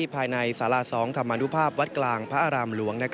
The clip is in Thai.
ภายในสารา๒ธรรมนุภาพวัดกลางพระอารามหลวง